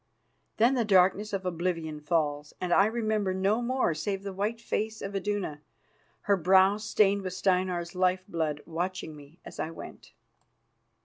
Then the darkness of oblivion falls, and I remember no more save the white face of Iduna, her brow stained with Steinar's life blood, watching me as I went.